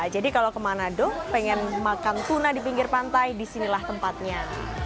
jadi kalau ke manado pengen makan tuna di pinggir pantai disinilah tempatnya